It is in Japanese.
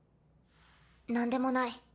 何でもない。